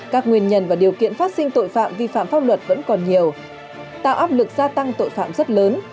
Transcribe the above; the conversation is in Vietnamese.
các nguyên nhân và điều kiện phát sinh tội phạm vi phạm pháp luật vẫn còn nhiều tạo áp lực gia tăng tội phạm rất lớn